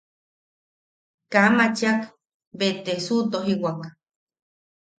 Kaa machiak bea te suʼutojiwak.